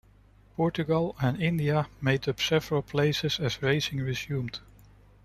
Portugal and India made up several places as racing resumed.